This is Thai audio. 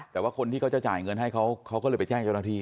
แต่ว่าคนที่เขาจะจ่ายเงินให้เขาก็เลยไปแจ้งเจ้าหน้าที่